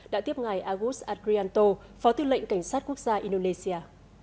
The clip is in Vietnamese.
đã tiếp ngài agus agrianto phó tư lệnh cảnh sát quốc gia indonesia